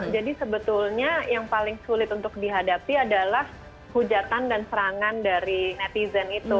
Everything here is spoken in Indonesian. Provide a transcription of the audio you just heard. jadi sebetulnya yang paling sulit untuk dihadapi adalah hujatan dan serangan dari netizen itu